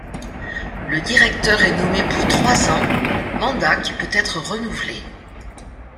Le directeur est nommé pour trois ans, mandat qui peut être renouvelé.